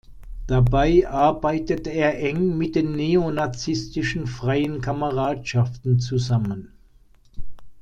Dabei arbeitet er eng mit den neonazistischen „Freien Kameradschaften“ zusammen.